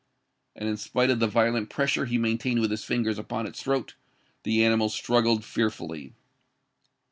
And in spite of the violent pressure he maintained with his fingers upon its throat, the animal struggled fearfully.